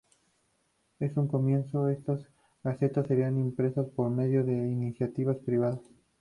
En un comienzo estas gacetas serían impresas por medio de iniciativas privadas.